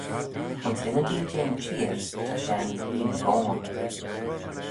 Ayns ynnydyn jeh'n çheer ta shen hene goan.